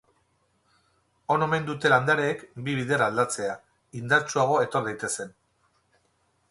On omen dute landareek bi bider aldatzea, indartsuago etor daitezen.